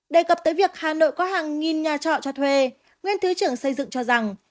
đề cập tới việc hà nội có hàng nghìn nhà trọ cho thuê nguyên thứ trưởng xây dựng cho rằng